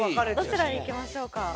どちらに行きましょうか？